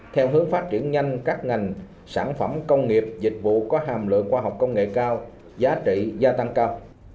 theo hướng phát triển nhanh các ngành sản phẩm công nghiệp dịch vụ có hàm lượng khoa học công nghệ cao giá trị gia tăng cao